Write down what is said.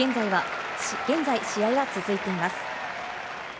現在、試合は続いています。